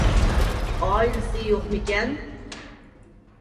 ئائىلىسى يوقمىكەن؟